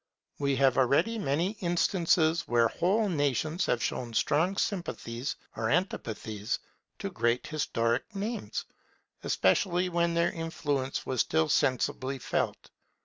We have already many instances where whole nations have shown strong sympathies or antipathies to great historical names, especially when their influence was still sensibly felt.